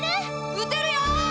打てるよ！